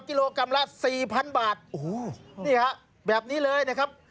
กิโลกรัมละสี่พันบาทโอ้โหนี่ฮะแบบนี้เลยนะครับ